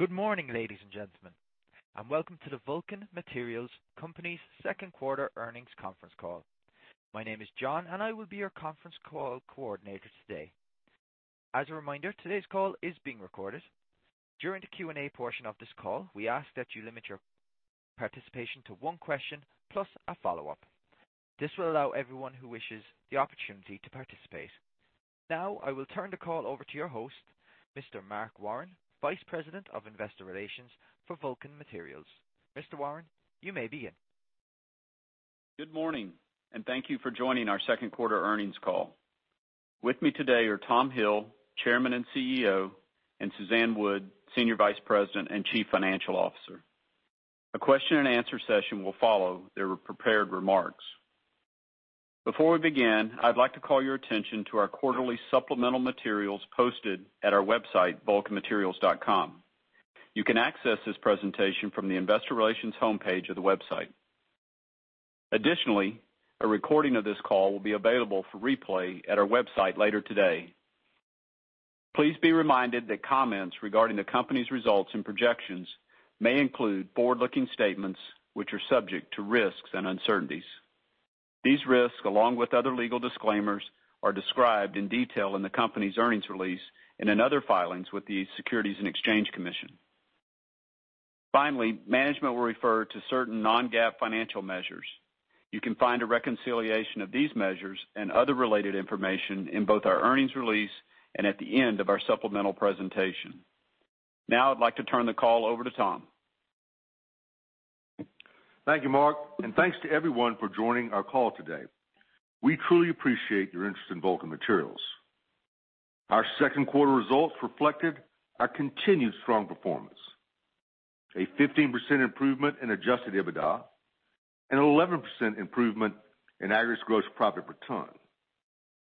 Good morning, ladies and gentlemen, welcome to the Vulcan Materials Company's second quarter earnings conference call. My name is John, and I will be your conference call coordinator today. As a reminder, today's call is being recorded. During the Q&A portion of this call, we ask that you limit your participation to one question plus a follow-up. This will allow everyone who wishes the opportunity to participate. Now, I will turn the call over to your host, Mr. Mark Warren, Vice President of Investor Relations for Vulcan Materials. Mr. Warren, you may begin. Good morning, and thank you for joining our second quarter earnings call. With me today are Tom Hill, Chairman and CEO, and Suzanne Wood, Senior Vice President and Chief Financial Officer. A question and answer session will follow their prepared remarks. Before we begin, I'd like to call your attention to our quarterly supplemental materials posted at our website, vulcanmaterials.com. You can access this presentation from the investor relations homepage of the website. Additionally, a recording of this call will be available for replay at our website later today. Please be reminded that comments regarding the company's results and projections may include forward-looking statements which are subject to risks and uncertainties. These risks, along with other legal disclaimers, are described in detail in the company's earnings release and in other filings with the Securities and Exchange Commission. Finally, management will refer to certain non-GAAP financial measures. You can find a reconciliation of these measures and other related information in both our earnings release and at the end of our supplemental presentation. Now I'd like to turn the call over to Tom. Thank you, Mark, and thanks to everyone for joining our call today. We truly appreciate your interest in Vulcan Materials. Our second quarter results reflected our continued strong performance. A 15% improvement in adjusted EBITDA and an 11% improvement in Aggregates gross profit per ton.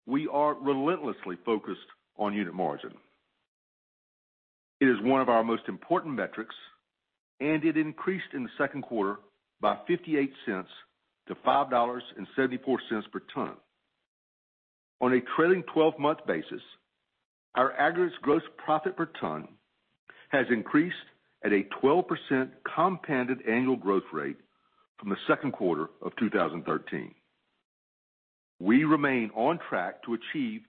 We are relentlessly focused on unit margin. It is one of our most important metrics, and it increased in the second quarter by $0.58 to $5.74 per ton. On a trailing 12-month basis, our Aggregates gross profit per ton has increased at a 12% compounded annual growth rate from the second quarter of 2013. We remain on track to achieve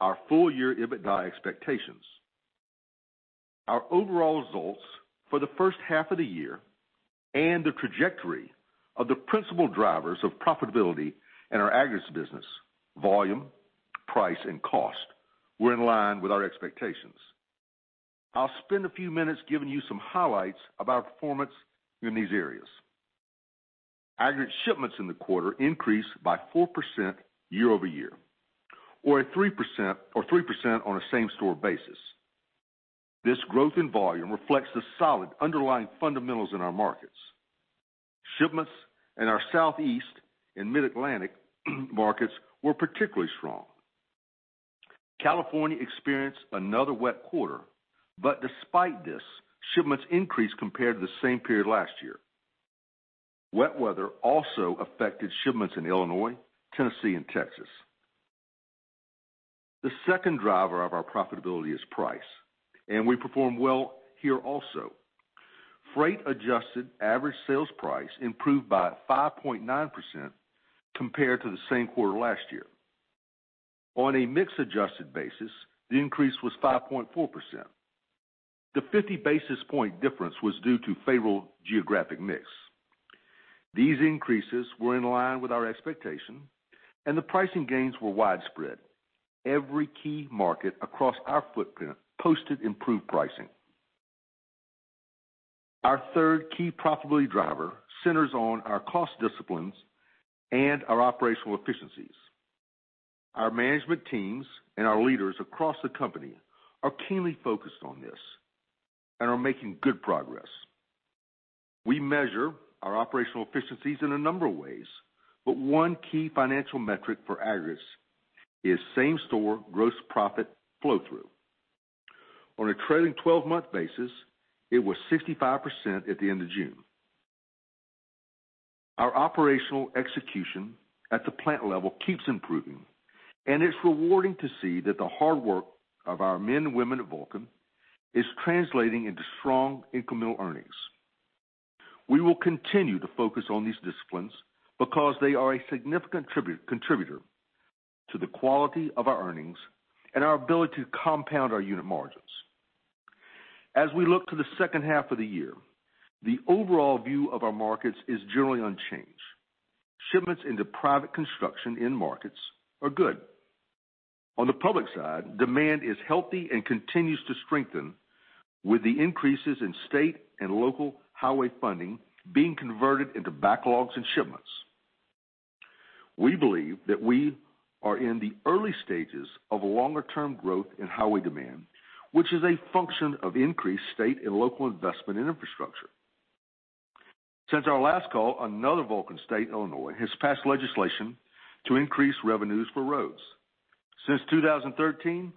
our full year EBITDA expectations. Our overall results for the first half of the year and the trajectory of the principal drivers of profitability in our Aggregates business, volume, price, and cost were in line with our expectations. I'll spend a few minutes giving you some highlights about performance in these areas. Aggregates shipments in the quarter increased by 4% year-over-year or 3% on a same-store basis. This growth in volume reflects the solid underlying fundamentals in our markets. Shipments in our Southeast and Mid-Atlantic markets were particularly strong. California experienced another wet quarter, but despite this, shipments increased compared to the same period last year. Wet weather also affected shipments in Illinois, Tennessee, and Texas. The second driver of our profitability is price, and we perform well here also. Freight adjusted average sales price improved by 5.9% compared to the same quarter last year. On a mix adjusted basis, the increase was 5.4%. The 50 basis point difference was due to favorable geographic mix. These increases were in line with our expectation and the pricing gains were widespread. Every key market across our footprint posted improved pricing. Our third key profitability driver centers on our cost disciplines and our operational efficiencies. Our management teams and our leaders across the company are keenly focused on this and are making good progress. We measure our operational efficiencies in a number of ways, but one key financial metric for Aggregates is same-store gross profit flow-through. On a trailing 12-month basis, it was 65% at the end of June. Our operational execution at the plant level keeps improving, and it's rewarding to see that the hard work of our men and women at Vulcan is translating into strong incremental earnings. We will continue to focus on these disciplines because they are a significant contributor to the quality of our earnings and our ability to compound our unit margins. As we look to the second half of the year, the overall view of our markets is generally unchanged. Shipments into private construction end markets are good. On the public side, demand is healthy and continues to strengthen with the increases in state and local highway funding being converted into backlogs and shipments. We believe that we are in the early stages of longer term growth in highway demand, which is a function of increased state and local investment in infrastructure. Since our last call, another Vulcan state, Illinois, has passed legislation to increase revenues for roads. Since 2013,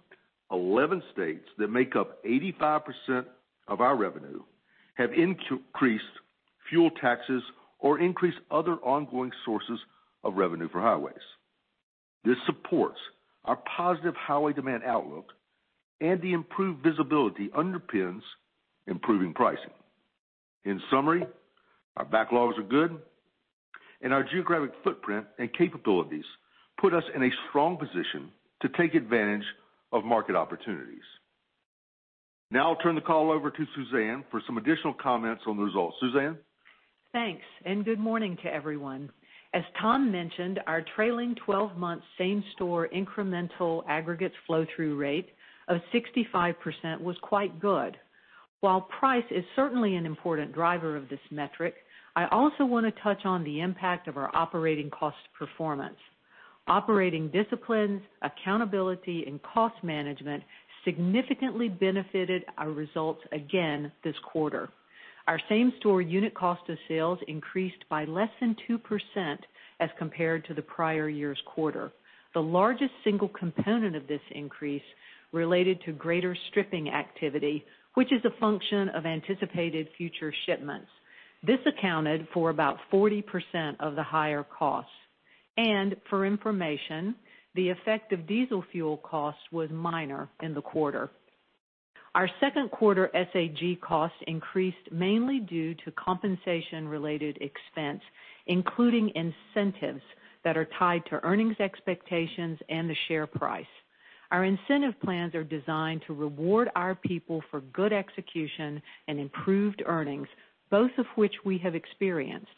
11 states that make up 85% of our revenue have increased fuel taxes or increased other ongoing sources of revenue for highways. This supports our positive highway demand outlook and the improved visibility underpins improving pricing. In summary, our backlogs are good, and our geographic footprint and capabilities put us in a strong position to take advantage of market opportunities. Now I'll turn the call over to Suzanne for some additional comments on the results. Suzanne? Thanks, and good morning to everyone. As Tom mentioned, our trailing 12-month same-store incremental Aggregates flow-through rate of 65% was quite good. While price is certainly an important driver of this metric, I also want to touch on the impact of our operating cost performance. Operating disciplines, accountability, and cost management significantly benefited our results again this quarter. Our same-store unit cost of sales increased by less than 2% as compared to the prior year's quarter. The largest single component of this increase related to greater stripping activity, which is a function of anticipated future shipments. This accounted for about 40% of the higher costs. For information, the effect of diesel fuel costs was minor in the quarter. Our second quarter SAG costs increased mainly due to compensation related expense, including incentives that are tied to earnings expectations and the share price. Our incentive plans are designed to reward our people for good execution and improved earnings, both of which we have experienced.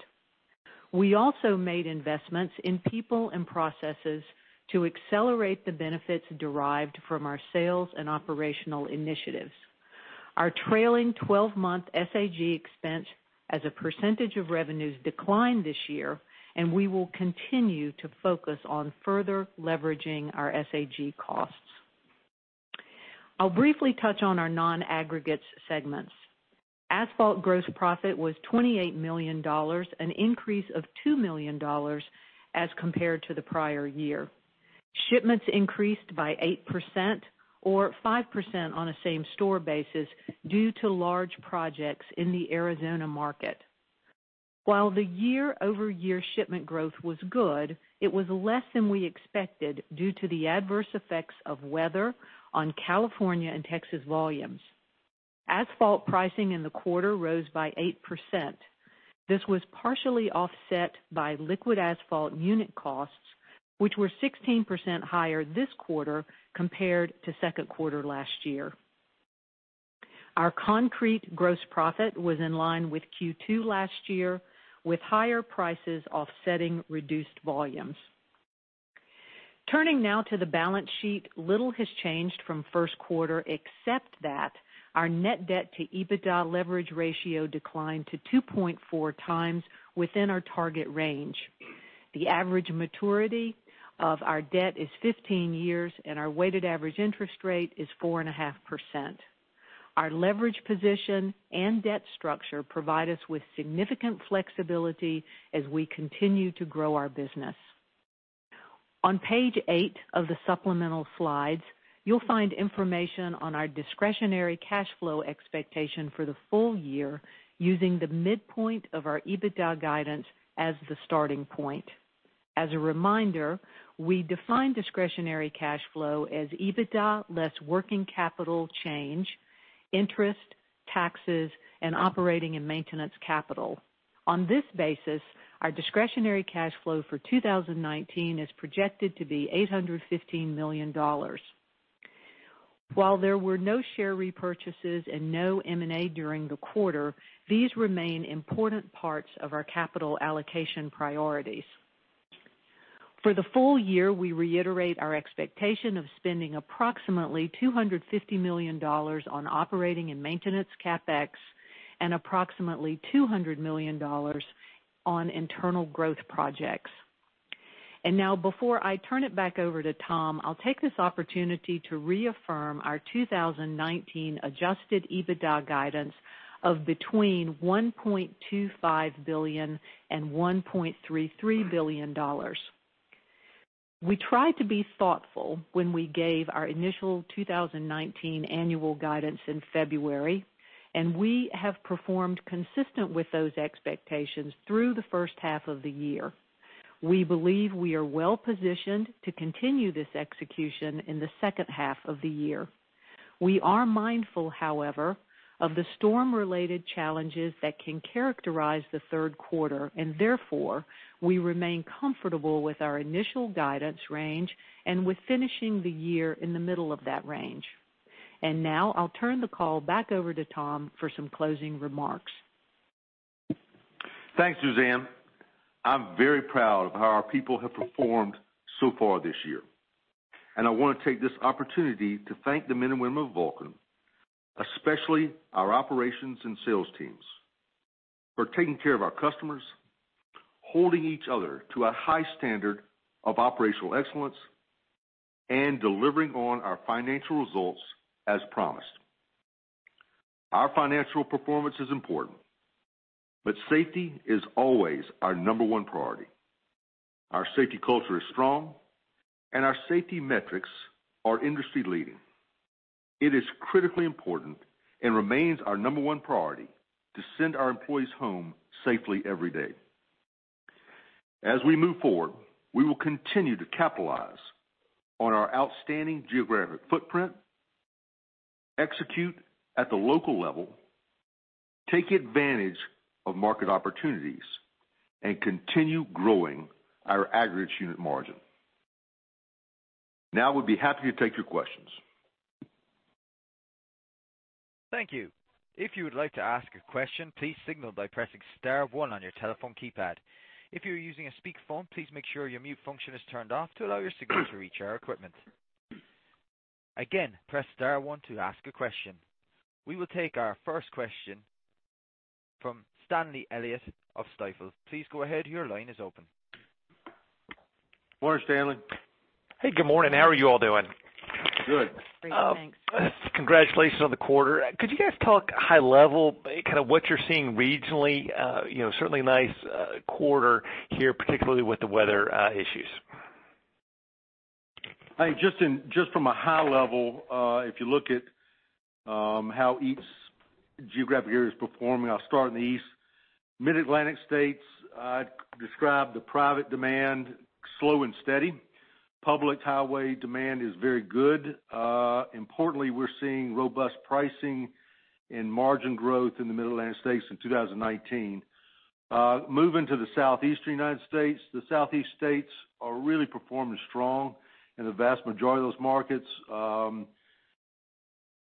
We also made investments in people and processes to accelerate the benefits derived from our sales and operational initiatives. Our trailing 12-month SAG expense as a percentage of revenues declined this year. We will continue to focus on further leveraging our SAG costs. I'll briefly touch on our non-Aggregates segments. Asphalt gross profit was $28 million, an increase of $2 million as compared to the prior year. Shipments increased by 8% or 5% on a same-store basis due to large projects in the Arizona market. While the year-over-year shipment growth was good, it was less than we expected due to the adverse effects of weather on California and Texas volumes. Asphalt pricing in the quarter rose by 8%. This was partially offset by liquid Asphalt unit costs, which were 16% higher this quarter compared to second quarter last year. Our concrete gross profit was in line with Q2 last year, with higher prices offsetting reduced volumes. Turning now to the balance sheet, little has changed from first quarter except that our net debt to EBITDA leverage ratio declined to 2.4x within our target range. The average maturity of our debt is 15 years, and our weighted average interest rate is 4.5%. Our leverage position and debt structure provide us with significant flexibility as we continue to grow our business. On page eight of the supplemental slides, you'll find information on our discretionary cash flow expectation for the full year using the midpoint of our EBITDA guidance as the starting point. As a reminder, we define discretionary cash flow as EBITDA less working capital change, interest, taxes, and operating and maintenance capital. On this basis, our discretionary cash flow for 2019 is projected to be $815 million. While there were no share repurchases and no M&A during the quarter, these remain important parts of our capital allocation priorities. For the full year, we reiterate our expectation of spending approximately $250 million on operating and maintenance CapEx and approximately $200 million on internal growth projects. Now before I turn it back over to Tom, I'll take this opportunity to reaffirm our 2019 adjusted EBITDA guidance of between $1.25 billion and $1.33 billion. We tried to be thoughtful when we gave our initial 2019 annual guidance in February, and we have performed consistent with those expectations through the first half of the year. We believe we are well-positioned to continue this execution in the second half of the year. We are mindful, however, of the storm-related challenges that can characterize the third quarter. Therefore, we remain comfortable with our initial guidance range and with finishing the year in the middle of that range. Now, I'll turn the call back over to Tom for some closing remarks. Thanks, Suzanne. I'm very proud of how our people have performed so far this year, and I want to take this opportunity to thank the men and women of Vulcan, especially our operations and sales teams for taking care of our customers, holding each other to a high standard of operational excellence, and delivering on our financial results as promised. Our financial performance is important, but safety is always our number one priority. Our safety culture is strong, and our safety metrics are industry leading. It is critically important and remains our number one priority to send our employees home safely every day. We will continue to capitalize on our outstanding geographic footprint, execute at the local level, take advantage of market opportunities, and continue growing our aggregate unit margin. Now, we'd be happy to take your questions. Thank you. If you would like to ask a question, please signal by pressing star one on your telephone keypad. If you're using a speakerphone, please make sure your mute function is turned off to allow your signal to reach our equipment. Again, press star one to ask a question. We will take our first question from Stanley Elliott of Stifel. Please go ahead. Your line is open. Morning, Stanley. Hey, good morning. How are you all doing? Good. Great, thanks. Congratulations on the quarter. Could you guys talk high level, kind of what you're seeing regionally? Certainly a nice quarter here, particularly with the weather issues. Hey, just from a high level, if you look at how each geographic area is performing, I'll start in the East. Mid-Atlantic states, I'd describe the private demand slow and steady. Public highway demand is very good. Importantly, we're seeing robust pricing and margin growth in the Mid-Atlantic states in 2019. Moving to the Southeast United States, the Southeast states are really performing strong in the vast majority of those markets.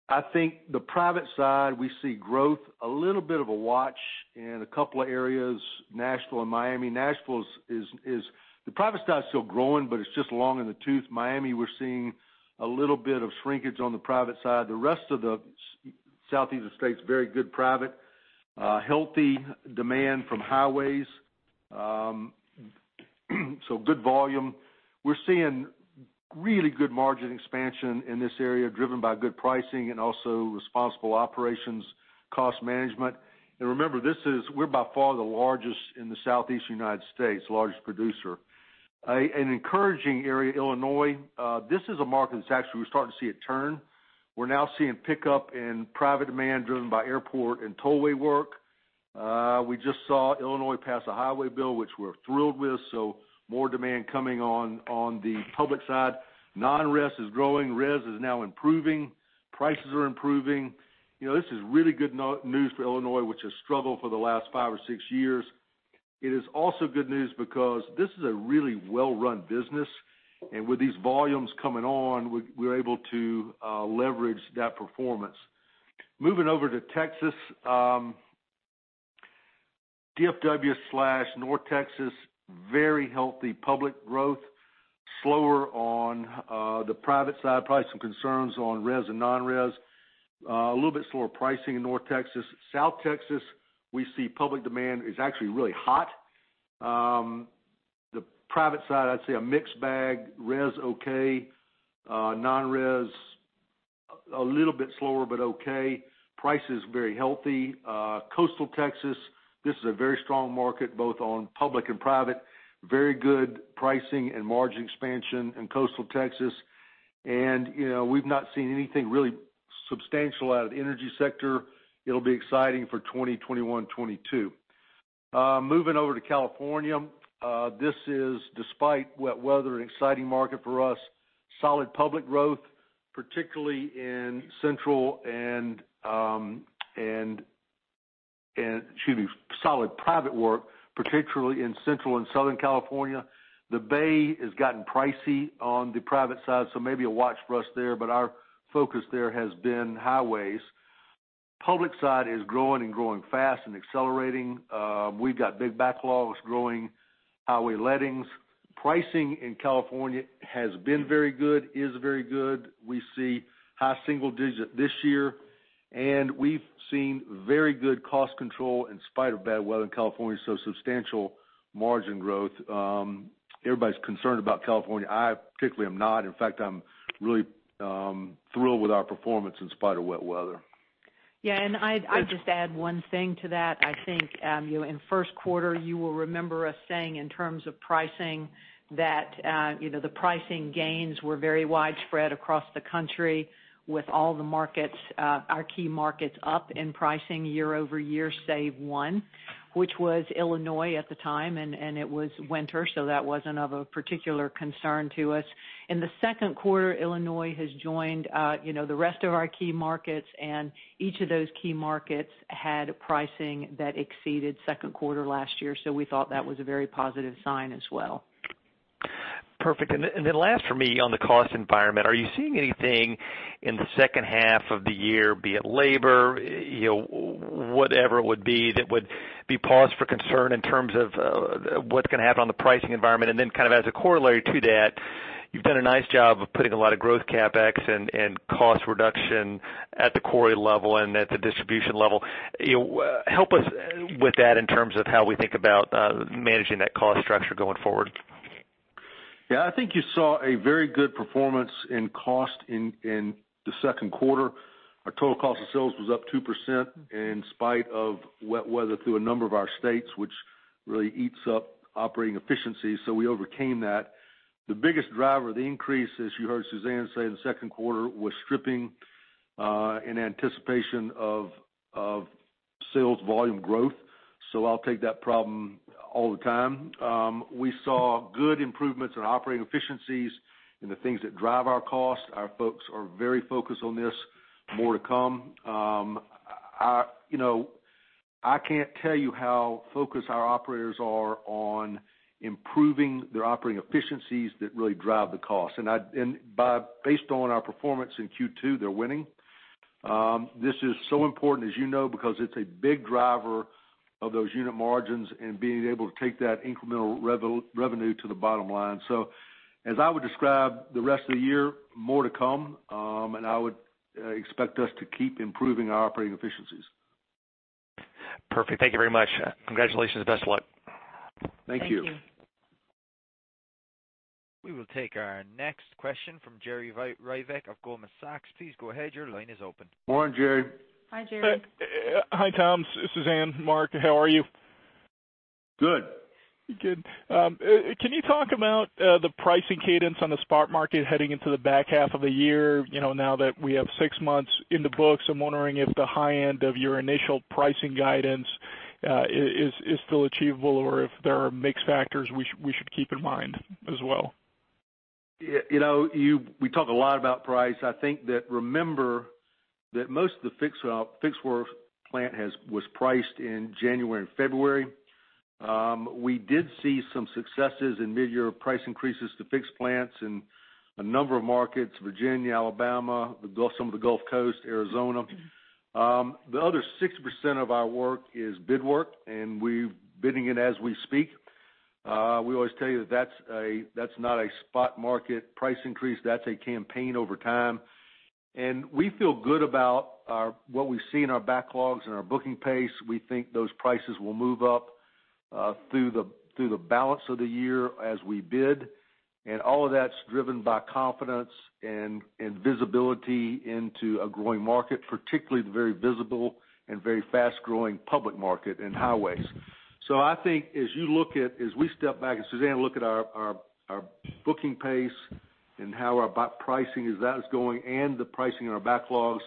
I think the private side, we see growth, a little bit of a watch in a couple of areas, Nashville and Miami. Nashville is the private side is still growing, but it's just long in the tooth. Miami, we're seeing a little bit of shrinkage on the private side. The rest of the Southeast states, very good private, healthy demand from highways, so good volume. We're seeing really good margin expansion in this area, driven by good pricing and also responsible operations cost management. Remember, we're by far the largest in the Southeast United States, largest producer. An encouraging area, Illinois. This is a market that actually we're starting to see a turn. We're now seeing pickup in private demand driven by airport and tollway work. We just saw Illinois pass a highway bill, which we're thrilled with, more demand coming on the public side. Non-res is growing, res is now improving. Prices are improving. This is really good news for Illinois, which has struggled for the last five or six years. It is also good news because this is a really well-run business, with these volumes coming on, we're able to leverage that performance. Moving over to Texas. DFW/North Texas, very healthy public growth. Slower on the private side, probably some concerns on res and non-res. A little bit slower pricing in North Texas. South Texas, we see public demand is actually really hot. The private side, I'd say a mixed bag. Res okay. Non-res, a little bit slower, but okay. Prices very healthy. Coastal Texas, this is a very strong market both on public and private. Very good pricing and margin expansion in Coastal Texas. We've not seen anything really substantial out of the energy sector. It'll be exciting for 2020, 2021, 2022. Moving over to California. This is, despite wet weather, an exciting market for us. Solid private work, particularly in central and southern California. The Bay has gotten pricey on the private side, so maybe a watch for us there, but our focus there has been highways. Public side is growing and growing fast and accelerating. We've got big backlogs growing, highway lettings. Pricing in California has been very good, is very good. We see high single digit this year, and we've seen very good cost control in spite of bad weather in California, so substantial margin growth. Everybody's concerned about California. I particularly am not. In fact, I'm really thrilled with our performance in spite of wet weather. Yeah, I'd just add one thing to that. I think in first quarter, you will remember us saying in terms of pricing that the pricing gains were very widespread across the country with all our key markets up in pricing year-over-year, save one, which was Illinois at the time, and it was winter, so that wasn't of a particular concern to us. In the second quarter, Illinois has joined the rest of our key markets, and each of those key markets had pricing that exceeded second quarter last year. We thought that was a very positive sign as well. Perfect. Last for me on the cost environment, are you seeing anything in the second half of the year, be it labor, whatever it would be that would be pause for concern in terms of what's going to happen on the pricing environment? Kind of as a corollary to that, you've done a nice job of putting a lot of growth CapEx and cost reduction at the quarry level and at the distribution level. Help us with that in terms of how we think about managing that cost structure going forward. I think you saw a very good performance in cost in the second quarter. Our total cost of sales was up 2% in spite of wet weather through a number of our states, which really eats up operating efficiency. We overcame that. The biggest driver of the increase, as you heard Suzanne say in the second quarter, was stripping in anticipation of sales volume growth. I'll take that problem all the time. We saw good improvements in operating efficiencies in the things that drive our costs. Our folks are very focused on this. More to come. I can't tell you how focused our operators are on improving their operating efficiencies that really drive the cost. Based on our performance in Q2, they're winning. This is so important as you know, because it's a big driver of those unit margins and being able to take that incremental revenue to the bottom line. As I would describe the rest of the year, more to come, and I would expect us to keep improving our operating efficiencies. Perfect. Thank you very much. Congratulations. Best of luck. Thank you. Thank you. We will take our next question from Jerry Revich of Goldman Sachs. Please go ahead. Your line is open. Morning, Jerry. Hi, Jerry. Hi, Tom, Suzanne, Mark. How are you? Good. Good. Can you talk about the pricing cadence on the spot market heading into the back half of the year? Now that we have six months in the books, I'm wondering if the high end of your initial pricing guidance is still achievable or if there are mix factors we should keep in mind as well? We talk a lot about price. I think that remember that most of the fixed work plant was priced in January and February. We did see some successes in mid-year price increases to fixed plants in a number of markets, Virginia, Alabama, some of the Gulf Coast, Arizona. The other 6% of our work is bid work. We're bidding it as we speak. We always tell you that's not a spot market price increase. That's a campaign over time. We feel good about what we see in our backlogs and our booking pace. We think those prices will move up through the balance of the year as we bid. All of that's driven by confidence and visibility into a growing market, particularly the very visible and very fast-growing public market in highways. I think as you look at, as we step back, as Suzanne looked at our booking pace and how our pricing is, that is going and the pricing in our backlogs.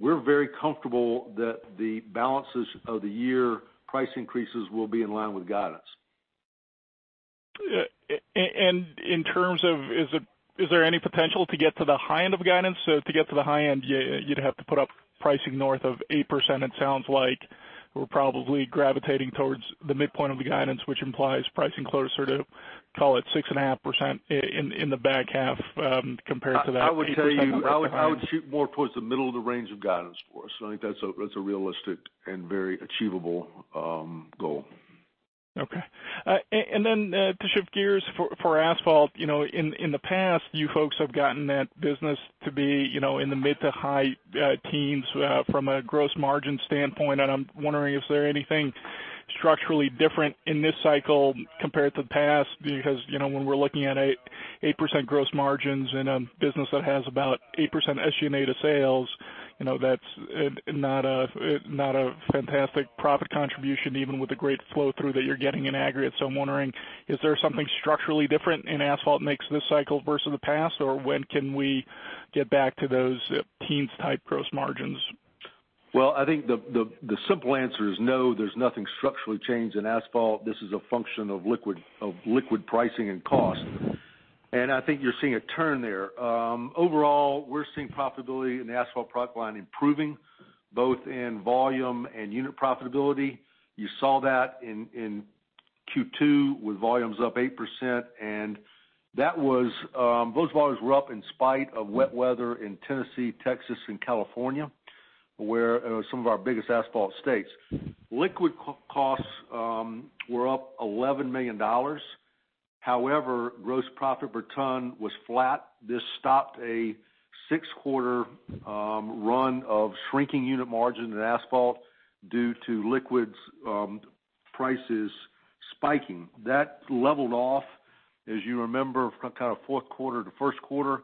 We're very comfortable that the balances of the year price increases will be in line with guidance. In terms of, is there any potential to get to the high end of guidance? To get to the high end, you'd have to put up pricing north of 8%. It sounds like we're probably gravitating towards the midpoint of the guidance, which implies pricing closer to, call it 6.5% in the back half compared to that. I would say, I would shoot more towards the middle of the range of guidance for us. I think that's a realistic and very achievable goal. Okay. To shift gears for Asphalt, in the past, you folks have gotten that business to be in the mid-to-high teens from a gross margin standpoint, I'm wondering if there anything structurally different in this cycle compared to the past because when we're looking at 8% gross margins in a business that has about 8% SG&A to sales, that's not a fantastic profit contribution even with the great flow-through that you're getting in aggregate. I'm wondering, is there something structurally different in Asphalt makes this cycle versus the past, or when can we get back to those teens-type gross margins? Well, I think the simple answer is no, there's nothing structurally changed in Asphalt. This is a function of liquid pricing and cost. I think you're seeing a turn there. Overall, we're seeing profitability in the Asphalt product line improving both in volume and unit profitability. You saw that in Q2 with volumes up 8%. Those volumes were up in spite of wet weather in Tennessee, Texas, and California, some of our biggest Asphalt states. Liquid costs were up $11 million. However, gross profit per ton was flat. This stopped a six-quarter run of shrinking unit margin in Asphalt due to liquids prices spiking. That leveled off as you remember from kind of fourth quarter to first quarter.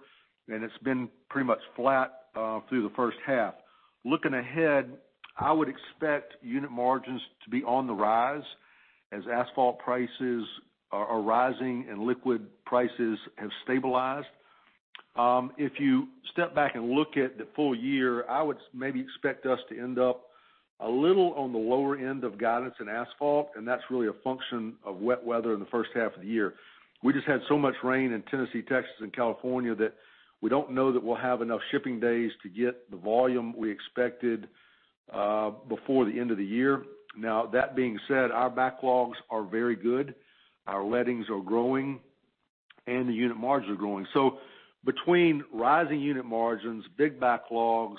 It's been pretty much flat through the first half. Looking ahead, I would expect unit margins to be on the rise as Asphalt prices are rising and liquid prices have stabilized. You step back and look at the full year, I would maybe expect us to end up a little on the lower end of guidance in Asphalt, and that's really a function of wet weather in the first half of the year. We just had so much rain in Tennessee, Texas, and California that we don't know that we'll have enough shipping days to get the volume we expected before the end of the year. That being said, our backlogs are very good. Our lettings are growing, and the unit margins are growing. Between rising unit margins, big backlogs,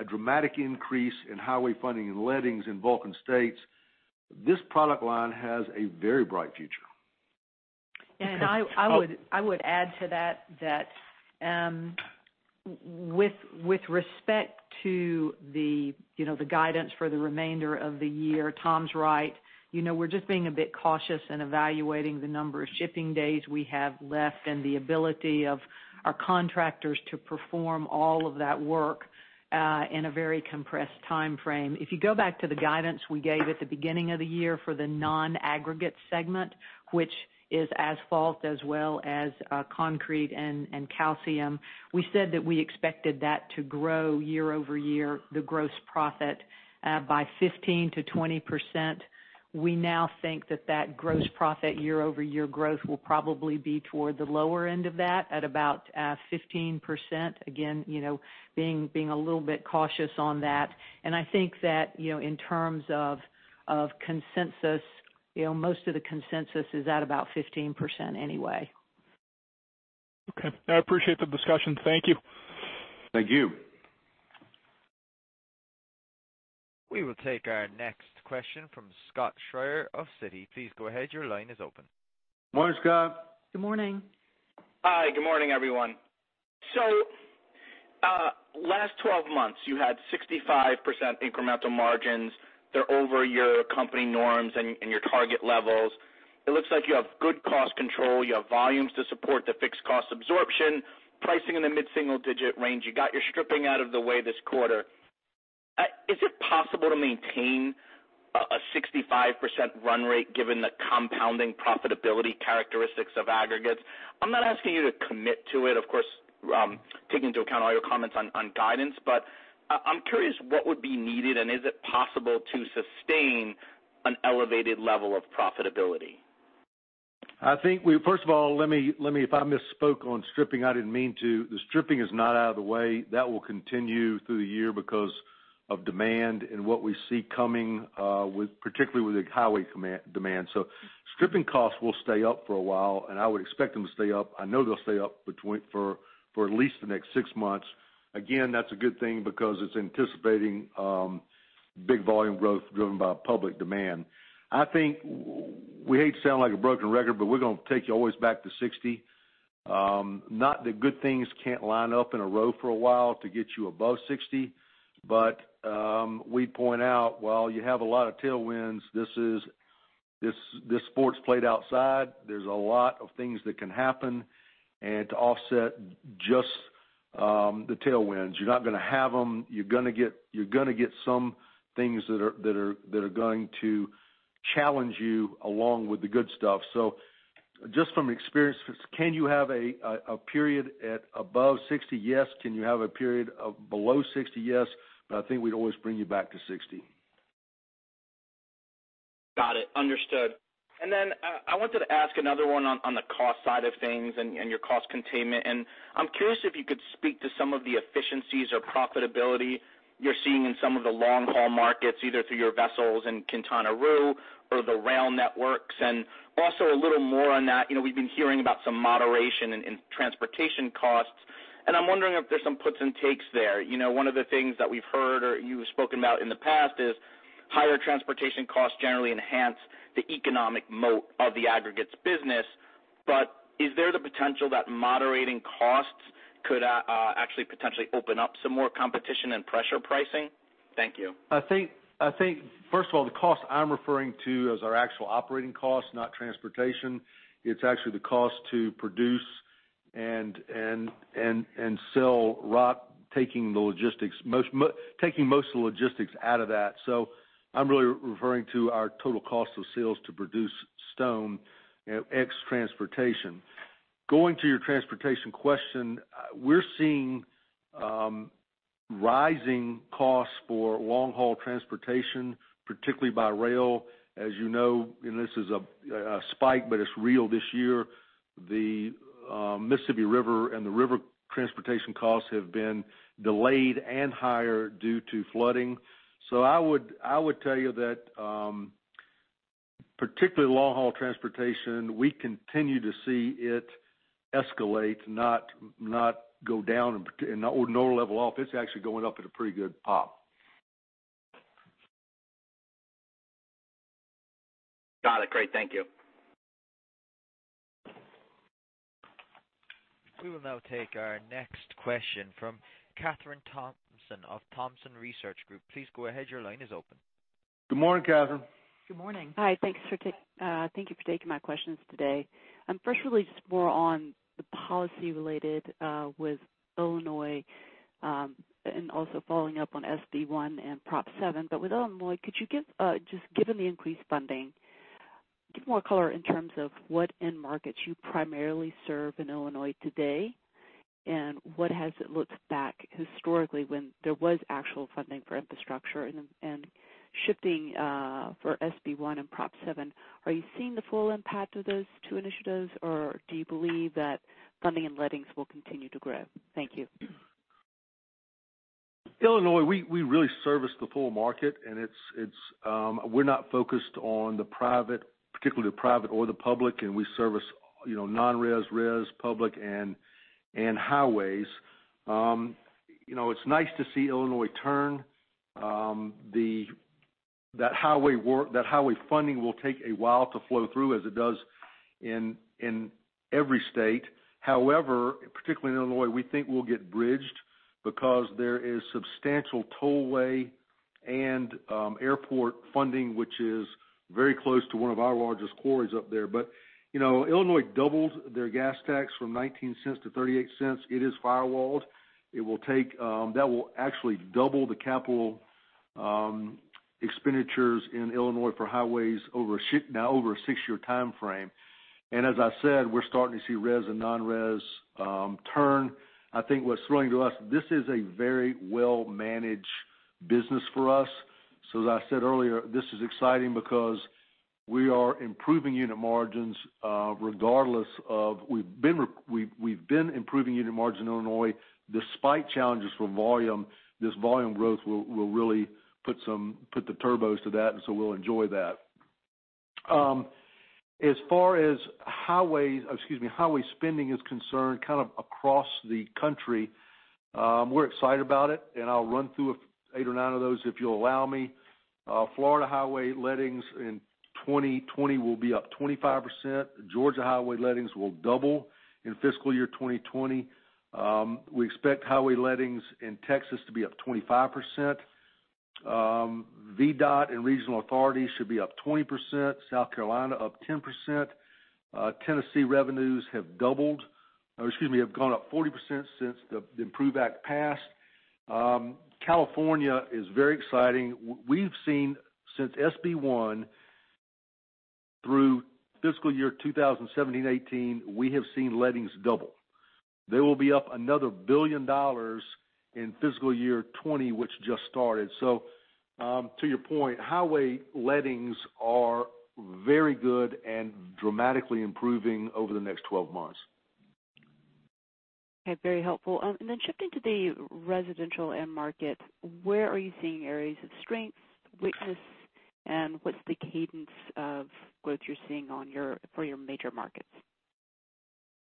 a dramatic increase in highway funding and lettings in Vulcan states, this product line has a very bright future. I would add to that, with respect to the guidance for the remainder of the year, Tom's right. We're just being a bit cautious in evaluating the number of shipping days we have left and the ability of our contractors to perform all of that work in a very compressed timeframe. If you go back to the guidance we gave at the beginning of the year for the non-aggregate segment, which is Asphalt as well as concrete and calcium, we said that we expected that to grow year-over-year, the gross profit, by 15%-20%. We now think that that gross profit year-over-year growth will probably be toward the lower end of that at about 15%. Again, being a little bit cautious on that. I think that, in terms of consensus, most of the consensus is at about 15% anyway. Okay. I appreciate the discussion. Thank you. Thank you. We will take our next question from Scott Schrier of Citi. Please go ahead. Your line is open. Morning, Scott. Good morning. Hi. Good morning, everyone. Last 12 months, you had 65% incremental margins. They're over your company norms and your target levels. It looks like you have good cost control. You have volumes to support the fixed cost absorption, pricing in the mid-single-digit range. You got your stripping out of the way this quarter. Is it possible to maintain a 65% run rate given the compounding profitability characteristics of Aggregates? I'm not asking you to commit to it, of course, taking into account all your comments on guidance, but I'm curious what would be needed, and is it possible to sustain an elevated level of profitability? First of all, if I misspoke on stripping, I didn't mean to. The stripping is not out of the way. That will continue through the year because of demand and what we see coming, particularly with the highway demand. Stripping costs will stay up for a while, and I would expect them to stay up. I know they'll stay up for at least the next six months. Again, that's a good thing because it's anticipating big volume growth driven by public demand. I think we hate to sound like a broken record, but we're going to take you always back to 60. Not that good things can't line up in a row for a while to get you above 60, but we'd point out, while you have a lot of tailwinds, this sport's played outside. There's a lot of things that can happen. To offset just the tailwinds, you're not going to have them. You're gonna get some things that are going to challenge you along with the good stuff. Just from experience, can you have a period at above 60? Yes. Can you have a period of below 60? Yes. I think we'd always bring you back to 60. Got it. Understood. I wanted to ask another one on the cost side of things and your cost containment. I'm curious if you could speak to some of the efficiencies or profitability you're seeing in some of the long-haul markets, either through your vessels in Quintana Roo or the rail networks. Also, a little more on that, we've been hearing about some moderation in transportation costs, and I'm wondering if there's some puts and takes there. One of the things that we've heard, or you've spoken about in the past, is higher transportation costs generally enhance the economic moat of the Aggregates business. Is there the potential that moderating costs could actually potentially open up some more competition and pressure pricing? Thank you. I think, first of all, the cost I'm referring to is our actual operating cost, not transportation. It's actually the cost to produce and sell rock, taking most of the logistics out of that. I'm really referring to our total cost of sales to produce stone ex transportation. Going to your transportation question, we're seeing rising costs for long-haul transportation, particularly by rail. As you know, and this is a spike, but it's real this year, the Mississippi River and the river transportation costs have been delayed and higher due to flooding. I would tell you that, particularly long-haul transportation, we continue to see it escalate, not go down or level off. It's actually going up at a pretty good pop. Got it. Great. Thank you. We will now take our next question from Kathryn Thompson of Thompson Research Group. Please go ahead. Your line is open. Good morning, Kathryn. Good morning. Hi. Thank you for taking my questions today. First, really just more on the policy related with Illinois, and also following up on SB 1 and Prop 7. With Illinois, given the increased funding, give more color in terms of what end markets you primarily serve in Illinois today, and what has it looked back historically when there was actual funding for infrastructure? Shifting for SB 1 and Prop 7, are you seeing the full impact of those two initiatives, or do you believe that funding and lettings will continue to grow? Thank you. Illinois, we really service the full market, and we're not focused on the private, particularly the private or the public, and we service non-res, res, public, and highways. That highway funding will take a while to flow through, as it does in every state. Particularly in Illinois, we think we'll get bridged because there is substantial tollway and airport funding, which is very close to one of our largest quarries up there. Illinois doubled their gas tax from $0.19 to $0.38. It is firewalled. That will actually double the capital expenditures in Illinois for highways now over a six-year timeframe. As I said, we're starting to see res and non-res turn. I think what's thrilling to us. This is a very well-managed business for us. As I said earlier, this is exciting because we are improving unit margins regardless. We've been improving unit margin in Illinois despite challenges from volume. This volume growth will really put the turbos to that, we'll enjoy that. As far as highway spending is concerned, across the country, we're excited about it, I'll run through eight or nine of those if you'll allow me. Florida highway lettings in 2020 will be up 25%. Georgia highway lettings will double in fiscal year 2020. We expect highway lettings in Texas to be up 25%. VDOT and regional authorities should be up 20%, South Carolina up 10%. Tennessee revenues have gone up 40% since the IMPROVE Act passed. California is very exciting. We've seen, since SB 1 through fiscal year 2017, 2018, we have seen lettings double. They will be up another $1 billion in fiscal year 2020, which just started. To your point, highway lettings are very good and dramatically improving over the next 12 months. Okay. Very helpful. Shifting to the residential end market, where are you seeing areas of strength, weakness, and what's the cadence of growth you're seeing for your major markets?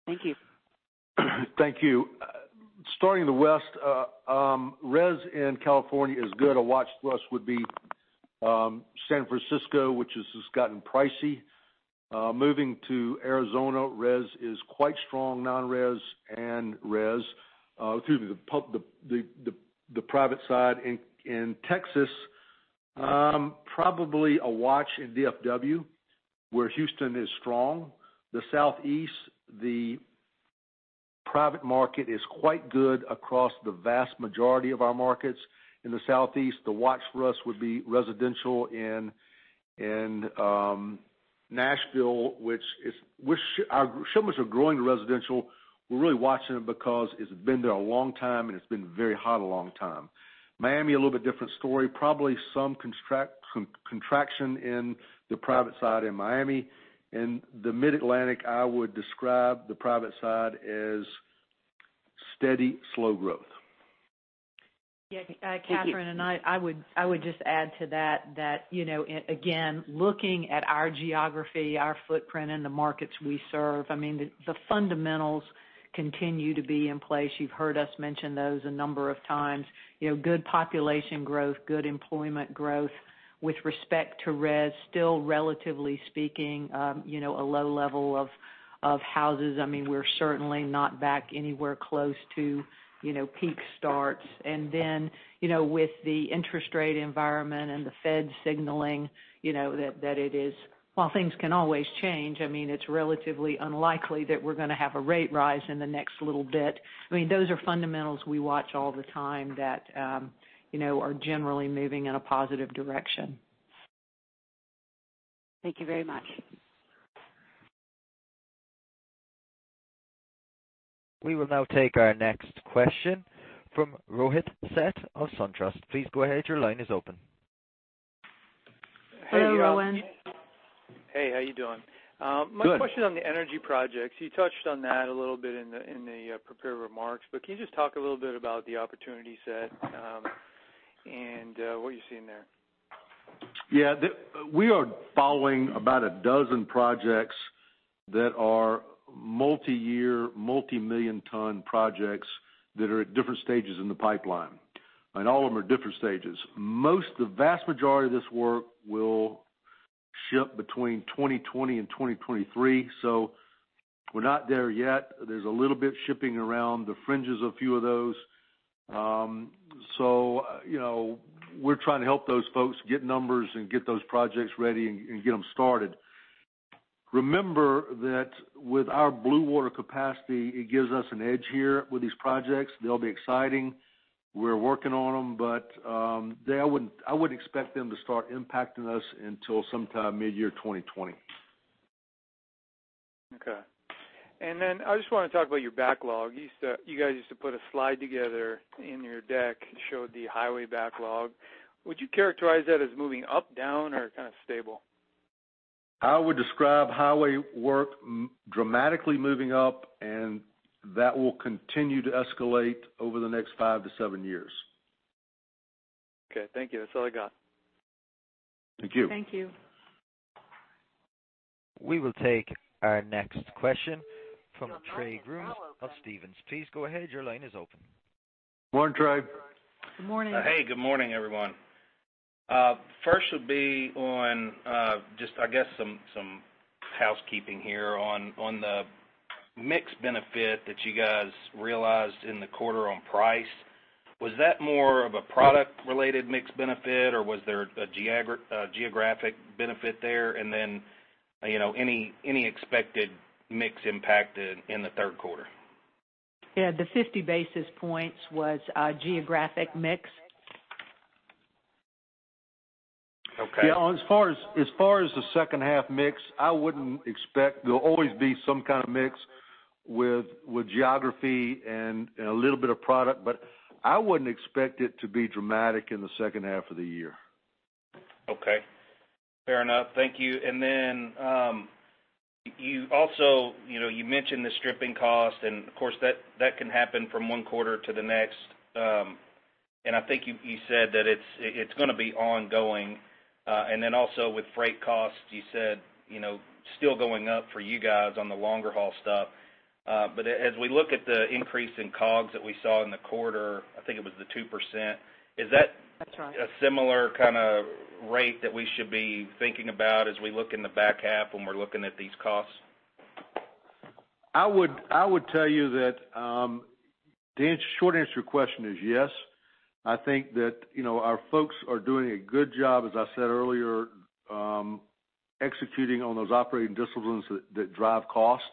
Thank you. Thank you. Starting in the West, res in California is good. A watch list would be San Francisco, which has just gotten pricey. Moving to Arizona, res is quite strong, non-res and res. Excuse me, the private side. In Texas, probably a watch in DFW, where Houston is strong. The Southeast, the private market is quite good across the vast majority of our markets. In the Southeast, the watch for us would be residential in Nashville. Shipments are growing in residential. We're really watching it because it's been there a long time, and it's been very hot a long time. Miami, a little bit different story. Probably some contraction in the private side in Miami. In the Mid-Atlantic, I would describe the private side as steady, slow growth. Kathryn, I would just add to that, again, looking at our geography, our footprint in the markets we serve. The fundamentals continue to be in place. You've heard us mention those a number of times. Good population growth, good employment growth. With respect to res, still relatively speaking, a low level of houses. We're certainly not back anywhere close to peak starts. With the interest rate environment and the Fed signaling that it is, while things can always change, it's relatively unlikely that we're going to have a rate rise in the next little bit. Those are fundamentals we watch all the time that are generally moving in a positive direction. Thank you very much. We will now take our next question from Rohit Seth of SunTrust. Please go ahead. Your line is open. Hello, Rohit. Hey, how you doing? Good. My question on the energy projects, you touched on that a little bit in the prepared remarks. Can you just talk a little bit about the opportunity set and what you're seeing there? Yeah. We are following about a dozen projects that are multi-year, multi-million ton projects that are at different stages in the pipeline, and all of them are different stages. Most, the vast majority of this work, will ship between 2020 and 2023, so we're not there yet. There's a little bit shipping around the fringes of a few of those. We're trying to help those folks get numbers and get those projects ready and get them started. Remember that with our blue water capacity, it gives us an edge here with these projects. They'll be exciting. We're working on them, but I wouldn't expect them to start impacting us until sometime mid-year 2020. Okay. I just want to talk about your backlog. You guys used to put a slide together in your deck that showed the highway backlog. Would you characterize that as moving up, down, or kind of stable? I would describe highway work dramatically moving up, and that will continue to escalate over the next five to seven years. Okay, thank you. That's all I got. Thank you. Thank you. We will take our next question from the Trey Grooms of Stephens. Please go ahead. Your line is open. Morning, Trey. Good morning. Hey, good morning, everyone. First would be on just, I guess, some housekeeping here on the mix benefit that you guys realized in the quarter on price. Was that more of a product related mix benefit, or was there a geographic benefit there? Any expected mix impact in the third quarter? The 50 basis points was a geographic mix. Okay. Yeah, as far as the second half mix, There'll always be some kind of mix with geography and a little bit of product, but I wouldn't expect it to be dramatic in the second half of the year. Okay. Fair enough. Thank you. Then, you mentioned the stripping cost, and of course, that can happen from one quarter to the next. Then also with freight costs, you said, still going up for you guys on the longer haul stuff. As we look at the increase in COGS that we saw in the quarter, I think it was the 2%? That's right. is that a similar kind of rate that we should be thinking about as we look in the back half when we're looking at these costs? I would tell you that the short answer to your question is yes. I think that our folks are doing a good job, as I said earlier, executing on those operating disciplines that drive cost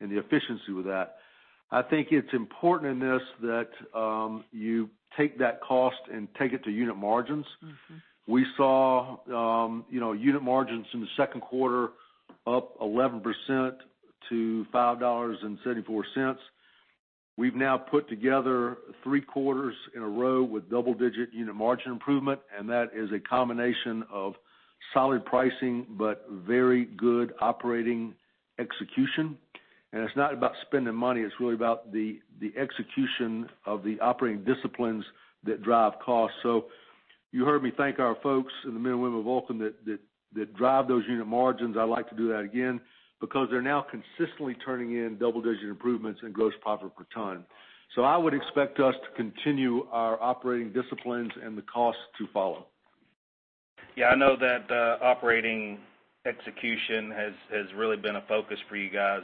and the efficiency with that. I think it's important in this that you take that cost and take it to unit margins. We saw unit margins in the second quarter up 11% to $5.74. That is a combination of solid pricing, but very good operating execution. It's not about spending money, it's really about the execution of the operating disciplines that drive cost. You heard me thank our folks and the men and women of Vulcan that drive those unit margins. I'd like to do that again because they're now consistently turning in double-digit improvements in gross profit per ton. I would expect us to continue our operating disciplines and the cost to follow. Yeah, I know that operating execution has really been a focus for you guys.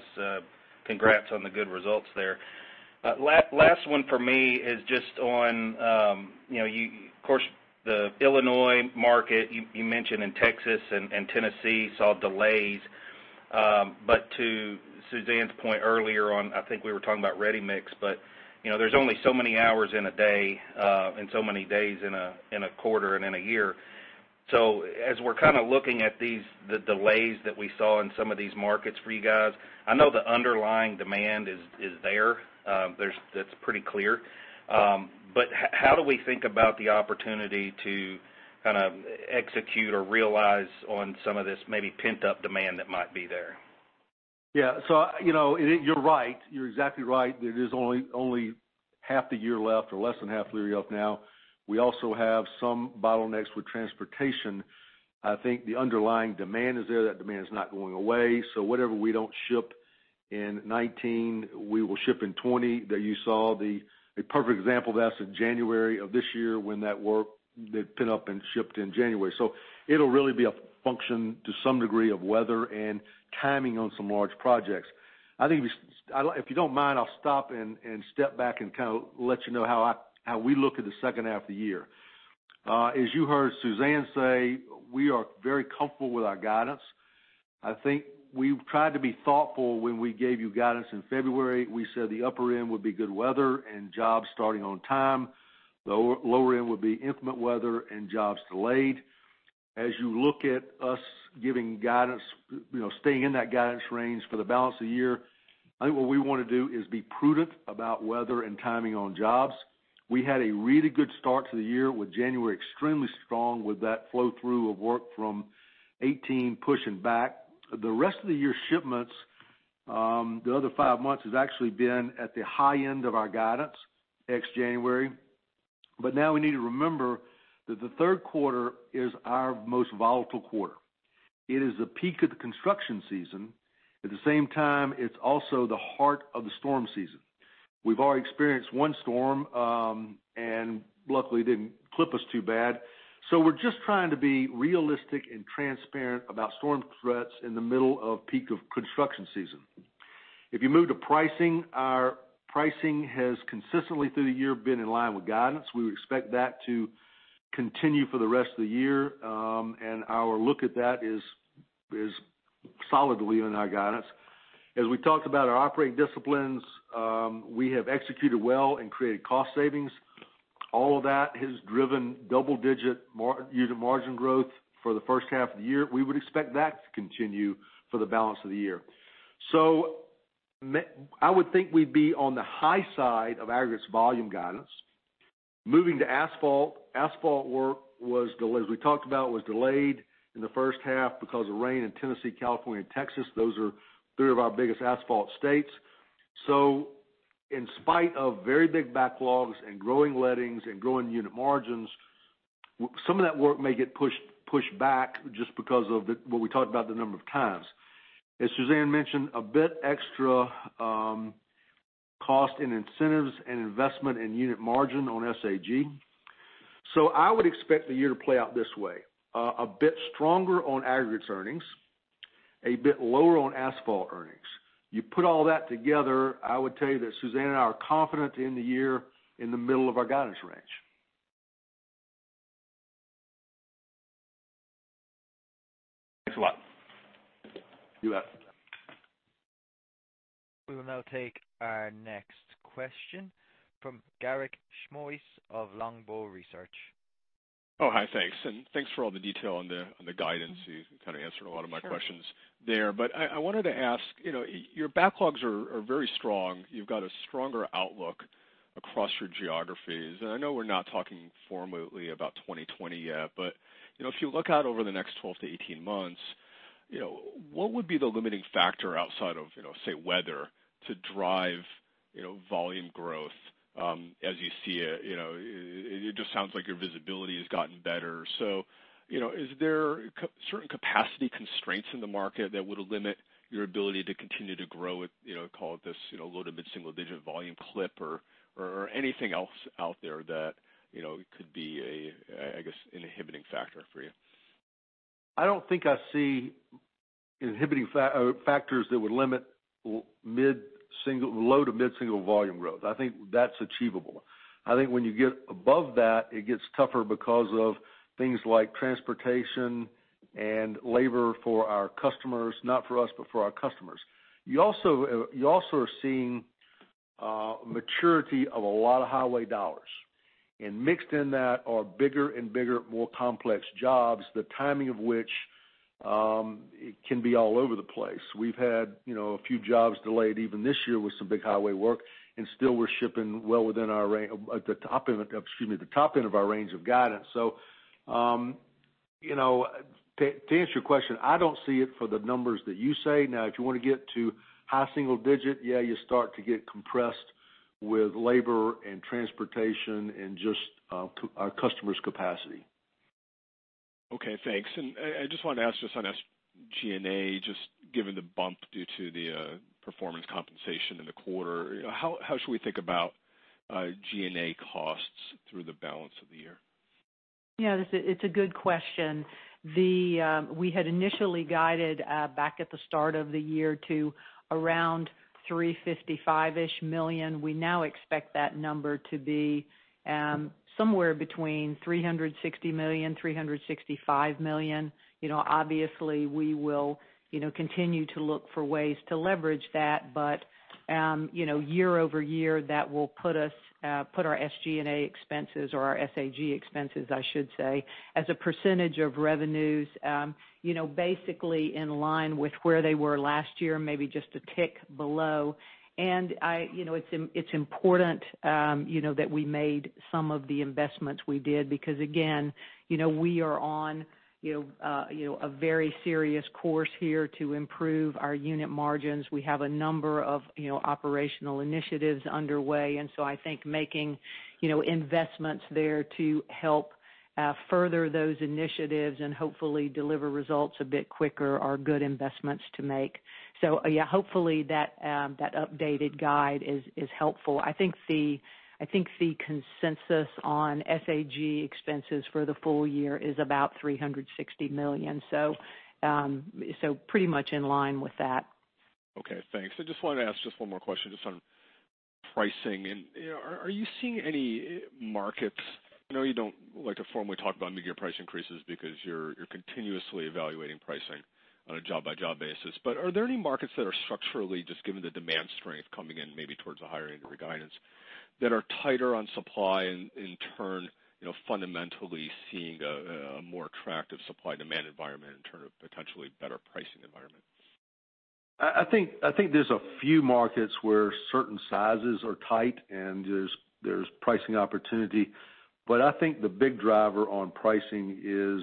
Congrats on the good results there. Last one for me is just on, of course, the Illinois market, you mentioned in Texas and Tennessee saw delays. To Suzanne's point earlier on, I think we were talking about ready mix, but there's only so many hours in a day, and so many days in a quarter and in a year. As we're kind of looking at the delays that we saw in some of these markets for you guys, I know the underlying demand is there. That's pretty clear. How do we think about the opportunity to kind of execute or realize on some of this maybe pent-up demand that might be there? Yeah. You're right. You're exactly right. There is only half the year left, or less than half the year left now. We also have some bottlenecks with transportation. I think the underlying demand is there. That demand is not going away. Whatever we don't ship in 2019, we will ship in 2020. There you saw the perfect example of that's in January of this year when that work that pent up and shipped in January. It'll really be a function to some degree of weather and timing on some large projects. If you don't mind, I'll stop and step back and kind of let you know how we look at the second half of the year. As you heard Suzanne say, we are very comfortable with our guidance. I think we've tried to be thoughtful when we gave you guidance in February. We said the upper end would be good weather and jobs starting on time. The lower end would be inclement weather and jobs delayed. As you look at us staying in that guidance range for the balance of the year, I think what we want to do is be prudent about weather and timing on jobs. We had a really good start to the year with January extremely strong with that flow through of work from 2018 pushing back. The rest of the year shipments, the other five months has actually been at the high end of our guidance, ex January. Now we need to remember that the third quarter is our most volatile quarter. It is the peak of the construction season. At the same time, it's also the heart of the storm season. We've already experienced one storm, and luckily it didn't clip us too bad. We're just trying to be realistic and transparent about storm threats in the middle of peak of construction season. If you move to pricing, our pricing has consistently through the year been in line with guidance. We would expect that to continue for the rest of the year. Our look at that is solidly in our guidance. As we talked about our operating disciplines, we have executed well and created cost savings. All of that has driven double-digit unit margin growth for the first half of the year. We would expect that to continue for the balance of the year. I would think we'd be on the high side of Aggregates volume guidance. Moving to Asphalt. Asphalt work, as we talked about, was delayed in the first half because of rain in Tennessee, California, and Texas. Those are three of our biggest Asphalt states. In spite of very big backlogs and growing lettings and growing unit margins. Some of that work may get pushed back just because of what we talked about the number of times. As Suzanne mentioned, a bit extra cost in incentives and investment in unit margin on SAG. I would expect the year to play out this way. A bit stronger on Aggregates earnings, a bit lower on Asphalt earnings. You put all that together, I would tell you that Suzanne and I are confident in the year in the middle of our guidance range. Thanks a lot. You bet. We will now take our next question from Garik Shmois of Longbow Research. Hi, thanks, and thanks for all the detail on the guidance. You kind of answered a lot of my questions there. I wanted to ask, your backlogs are very strong. You've got a stronger outlook across your geographies, and I know we're not talking formally about 2020 yet, but if you look out over the next 12 months-18 months, what would be the limiting factor outside of say, weather, to drive volume growth as you see it? It just sounds like your visibility has gotten better. Is there certain capacity constraints in the market that would limit your ability to continue to grow at, call it this low to mid-single digit volume clip or anything else out there that could be a, I guess, inhibiting factor for you? I don't think I see inhibiting factors that would limit low to mid-single volume growth. I think that's achievable. I think when you get above that, it gets tougher because of things like transportation and labor for our customers, not for us, but for our customers. You also are seeing maturity of a lot of highway dollars, and mixed in that are bigger and bigger, more complex jobs, the timing of which can be all over the place. Still, we're shipping at the top end of our range of guidance. To answer your question, I don't see it for the numbers that you say. Now, if you want to get to high single digit, yeah, you start to get compressed with labor and transportation and just our customer's capacity. Okay, thanks. I just wanted to ask just on SG&A, just given the bump due to the performance compensation in the quarter, how should we think about G&A costs through the balance of the year? It's a good question. We had initially guided back at the start of the year to around $355-ish million. We now expect that number to be somewhere between $360 million, $365 million. Obviously, we will continue to look for ways to leverage that, but year-over-year, that will put our SG&A expenses or our SAG expenses, I should say, as a percentage of revenues, basically in line with where they were last year, maybe just a tick below. It's important that we made some of the investments we did because, again, we are on a very serious course here to improve our unit margins. We have a number of operational initiatives underway, and so I think making investments there to help further those initiatives and hopefully deliver results a bit quicker are good investments to make. Hopefully, that updated guide is helpful. I think the consensus on SAG expenses for the full year is about $360 million. Pretty much in line with that. Okay, thanks. I just wanted to ask just one more question just on pricing. Are you seeing any markets I know you don't like to formally talk about maybe your price increases because you're continuously evaluating pricing on a job-by-job basis, but are there any markets that are structurally just given the demand strength coming in maybe towards the higher end of your guidance, that are tighter on supply and in turn fundamentally seeing a more attractive supply demand environment in turn of potentially better pricing environment? I think there's a few markets where certain sizes are tight and there's pricing opportunity. I think the big driver on pricing is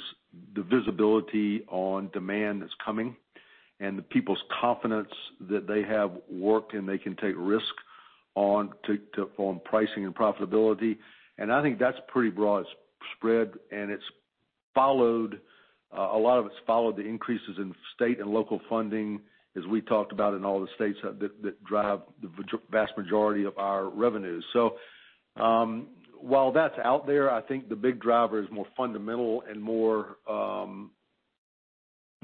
the visibility on demand that's coming and the people's confidence that they have work, and they can take risk on pricing and profitability. I think that's pretty broad spread, and a lot of it's followed the increases in state and local funding as we talked about in all the states that drive the vast majority of our revenues. While that's out there, I think the big driver is more fundamental and more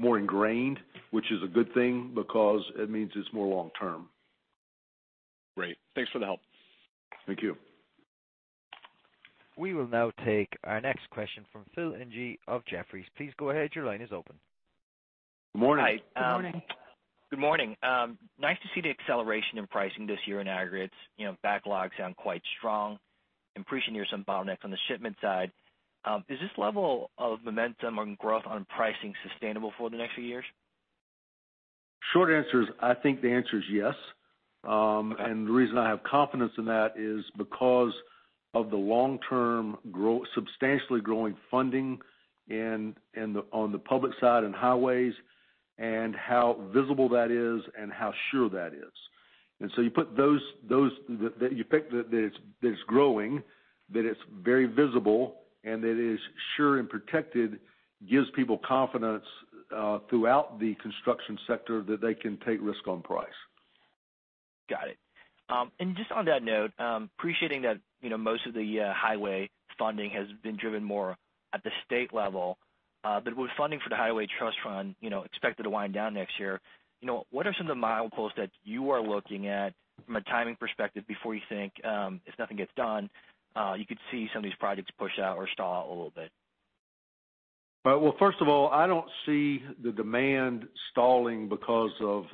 ingrained, which is a good thing because it means it's more long-term. Great. Thanks for the help. Thank you. We will now take our next question from Phil Ng of Jefferies. Please go ahead. Your line is open. Good morning. Good morning. Good morning. Nice to see the acceleration in pricing this year in Aggregates. Backlogs sound quite strong. I'm pretty sure there's some bottlenecks on the shipment side. Is this level of momentum on growth on pricing sustainable for the next few years? Short answer is, I think the answer is yes. The reason I have confidence in that is because of the long-term substantially growing funding on the public side and highways, and how visible that is and how sure that is. So you put those that you pick, that it's growing, that it's very visible, and that it is sure and protected, gives people confidence throughout the construction sector that they can take risk on price. Got it. Just on that note, appreciating that most of the highway funding has been driven more at the state level. With funding for the Highway Trust Fund expected to wind down next year, what are some of the mileposts that you are looking at from a timing perspective before you think, if nothing gets done, you could see some of these projects push out or stall out a little bit? First of all, I don't see the demand stalling because of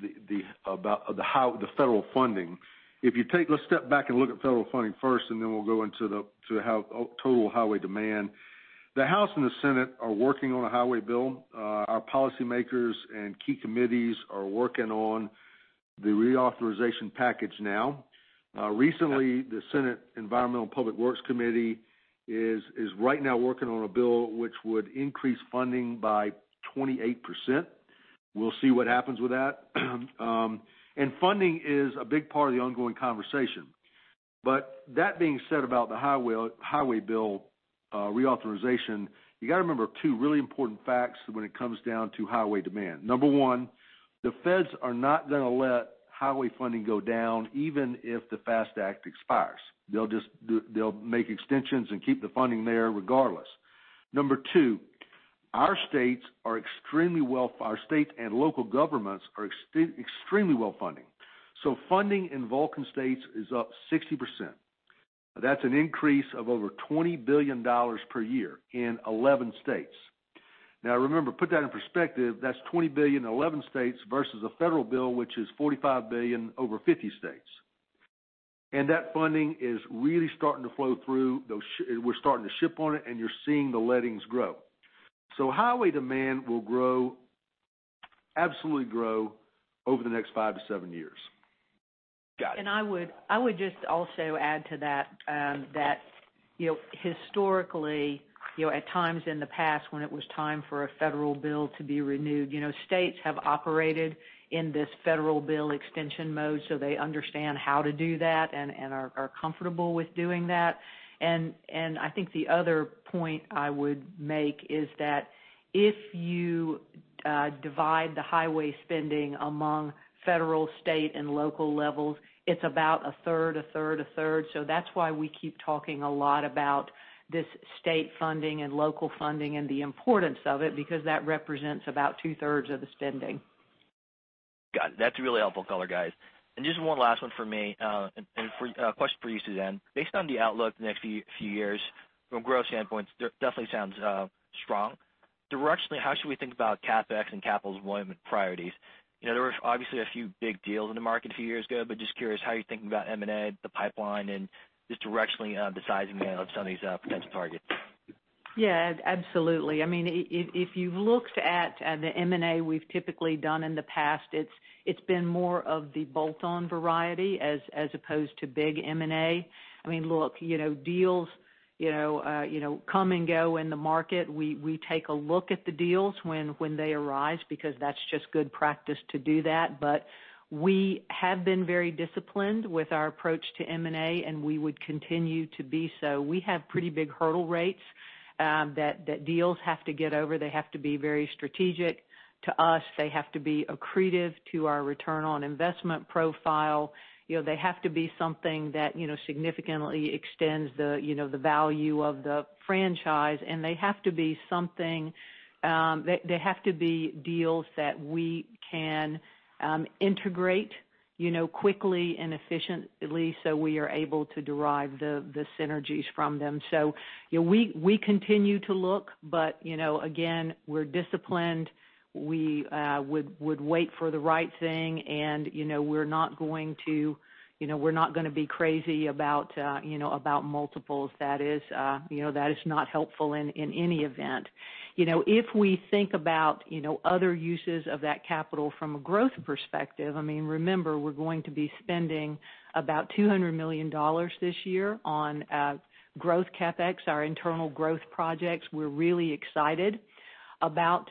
the federal funding. Let's step back and look at federal funding first, then we'll go into the total highway demand. The House and the Senate are working on a highway bill. Our policymakers and key committees are working on the reauthorization package now. Recently, the Senate Committee on Environment and Public Works is right now working on a bill which would increase funding by 28%. We'll see what happens with that. Funding is a big part of the ongoing conversation. That being said about the highway bill reauthorization, you got to remember two really important facts when it comes down to highway demand. Number one, the Feds are not going to let highway funding go down even if the FAST Act expires. They'll make extensions and keep the funding there regardless. Number two, our state and local governments are extremely well-funded. Funding in Vulcan states is up 60%. That's an increase of over $20 billion per year in 11 states. Remember, put that in perspective, that's $20 billion in 11 states versus a federal bill, which is $45 billion over 50 states. That funding is really starting to flow through. We're starting to ship on it, and you're seeing the lettings grow. Highway demand will absolutely grow over the next 5 years-7 years. Got it. I would just also add to that historically, at times in the past when it was time for a federal bill to be renewed, states have operated in this federal bill extension mode. They understand how to do that and are comfortable with doing that. I think the other point I would make is that if you divide the highway spending among federal, state, and local levels, it's about a 1/3. That's why we keep talking a lot about this state funding and local funding and the importance of it, because that represents about 2/3 of the spending. Got it. That's a really helpful color, guys. Just one last one for me, and a question for you, Suzanne. Based on the outlook the next few years from a growth standpoint, it definitely sounds strong. Directionally, how should we think about CapEx and capital deployment priorities? There were obviously a few big deals in the market a few years ago. Just curious how you're thinking about M&A, the pipeline, and just directionally, the size and layout of some of these potential targets. Yeah, absolutely. If you've looked at the M&A we've typically done in the past, it's been more of the bolt-on variety as opposed to big M&A. Look, deals come and go in the market. We take a look at the deals when they arise because that's just good practice to do that. We have been very disciplined with our approach to M&A, and we would continue to be so. We have pretty big hurdle rates that deals have to get over. They have to be very strategic to us. They have to be accretive to our return on investment profile. They have to be something that significantly extends the value of the franchise, and they have to be deals that we can integrate quickly and efficiently so we are able to derive the synergies from them. We continue to look, but again, we're disciplined. We would wait for the right thing, and we're not going to be crazy about multiples. That is not helpful in any event. If we think about other uses of that capital from a growth perspective, remember, we're going to be spending about $200 million this year on growth CapEx, our internal growth projects. We're really excited about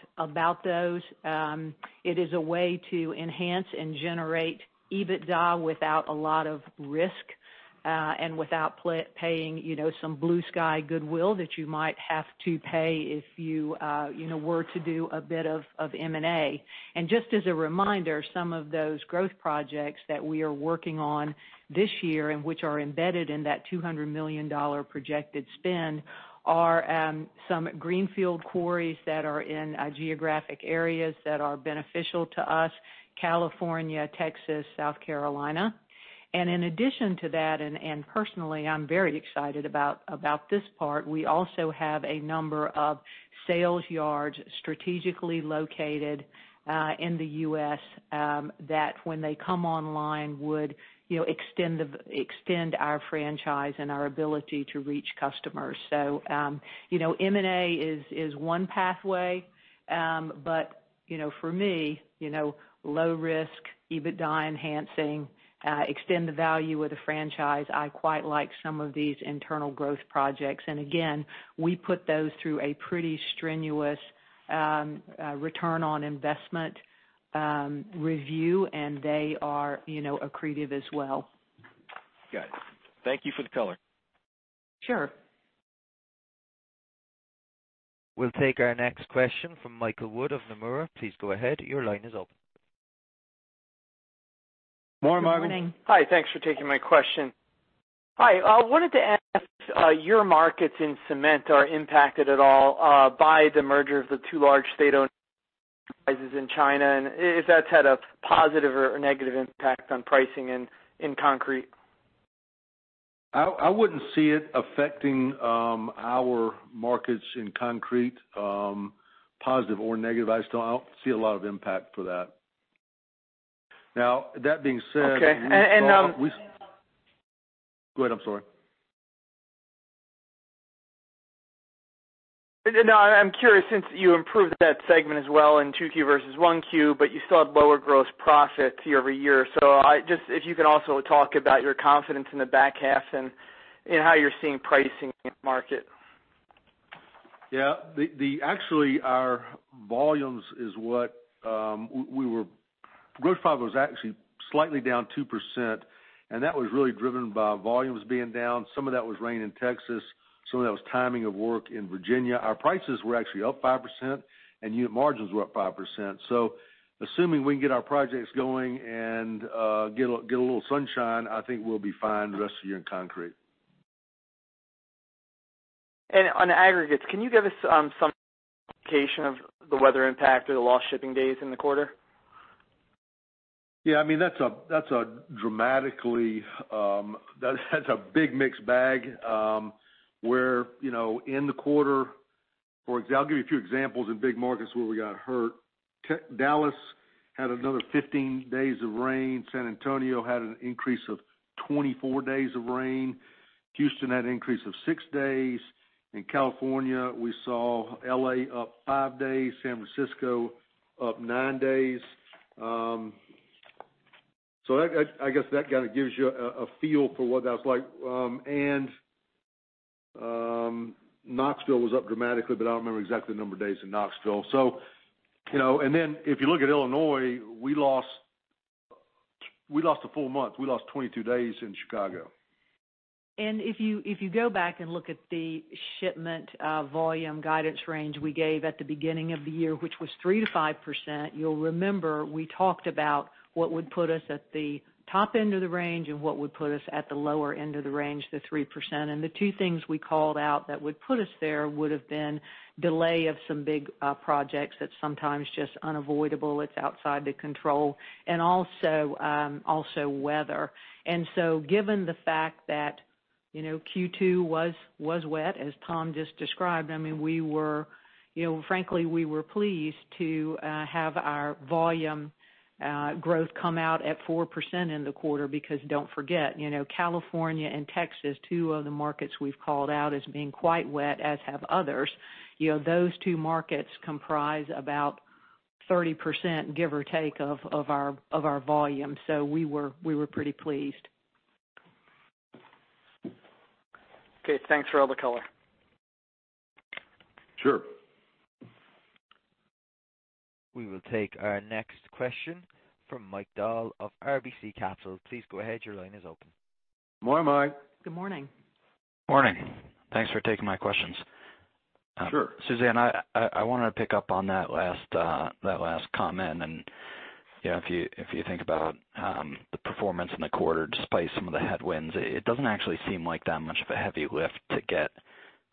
those. It is a way to enhance and generate EBITDA without a lot of risk and without paying some blue sky goodwill that you might have to pay if you were to do a bit of M&A. Just as a reminder, some of those growth projects that we are working on this year and which are embedded in that $200 million projected spend are some greenfield quarries that are in geographic areas that are beneficial to us: California, Texas, South Carolina. In addition to that, and personally, I'm very excited about this part, we also have a number of sales yards strategically located in the U.S. that when they come online would extend our franchise and our ability to reach customers. M&A is one pathway. For me, low risk, EBITDA enhancing, extend the value of the franchise, I quite like some of these internal growth projects. Again, we put those through a pretty strenuous return on investment review, and they are accretive as well. Got it. Thank you for the color. Sure. We'll take our next question from Michael Wood of Nomura. Please go ahead. Your line is open. Good morning. Good morning. Hi. Thanks for taking my question. Hi. I wanted to ask your markets in cement are impacted at all by the merger of the two large state-owned enterprises in China, and if that's had a positive or a negative impact on pricing in concrete? I wouldn't see it affecting our markets in concrete, positive or negative. I don't see a lot of impact for that. Now, that being said. Okay. Go ahead. I'm sorry. I'm curious since you improved that segment as well in 2Q versus 1Q, but you still have lower gross profit year-over-year. If you can also talk about your confidence in the back half and how you're seeing pricing in the market? Yeah. Actually, our volumes, is what, gross profit was actually slightly down 2%. That was really driven by volumes being down. Some of that was rain in Texas, some of that was timing of work in Virginia. Our prices were actually up 5%. Unit margins were up 5%. Assuming we can get our projects going and get a little sunshine, I think we'll be fine the rest of year in concrete. On Aggregates, can you give us some indication of the weather impact or the lost shipping days in the quarter? Yeah. That's a dramatically, that's a big mixed bag. I'll give you a few examples in big markets where we got hurt. Dallas had another 15 days of rain. San Antonio had an increase of 24 days of rain. Houston had an increase of six days. In California, we saw L.A. up five days, San Francisco up nine days. I guess that kind of gives you a feel for what that's like. Knoxville was up dramatically, but I don't remember exactly the number of days in Knoxville. If you look at Illinois, we lost a full month. We lost 22 days in Chicago. If you go back and look at the shipment volume guidance range we gave at the beginning of the year, which was 3%-5%, you'll remember we talked about what would put us at the top end of the range and what would put us at the lower end of the range, the 3%. The two things we called out that would put us there would've been delay of some big projects that's sometimes just unavoidable, it's outside the control, and also weather. Given the fact that Q2 was wet, as Tom just described, frankly, we were pleased to have our volume growth come out at 4% in the quarter because don't forget, California and Texas, two of the markets we've called out as being quite wet, as have others. Those two markets comprise about 30%, give or take, of our volume. We were pretty pleased. Okay. Thanks for all the color. Sure. We will take our next question from Mike Dahl of RBC Capital. Please go ahead. Your line is open. Good morning, Mike. Good morning. Morning. Thanks for taking my questions. Sure. Suzanne, I want to pick up on that last comment, and if you think about the performance in the quarter, despite some of the headwinds, it doesn't actually seem like that much of a heavy lift to get,